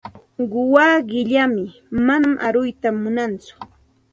Quwaa qilam, manam aruyta munantsu.